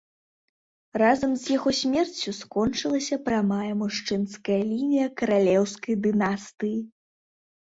Разам з яго смерцю скончылася прамая мужчынская лінія каралеўскай дынастыі.